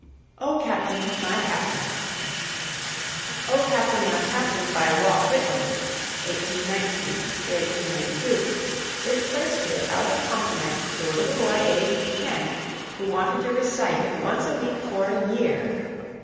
O CAPTAIN! MY CAPTAIN! "O Captain! My Captain!" by Walt Whitman (1819 92), is placed here out of compliment to a little boy aged ten who wanted to recite it once a week for a year.